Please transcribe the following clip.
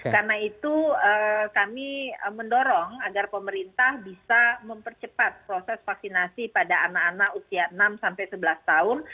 karena itu kami mendorong agar pemerintah bisa mempercepat proses vaksinasi pada anak anak usia enam sebelas tahun